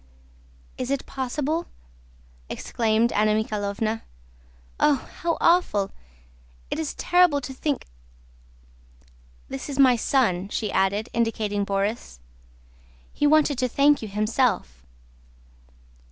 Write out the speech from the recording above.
"Is it possible?" exclaimed Anna Mikháylovna. "Oh, how awful! It is terrible to think.... This is my son," she added, indicating Borís. "He wanted to thank you himself."